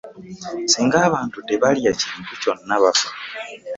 Singa abantu tebalya kintu kyona bafa.